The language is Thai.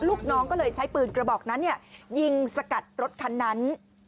ลูกน้องก็เลยใช้ปืนกระบอกนั้นยิงสกัดรถคันนั้น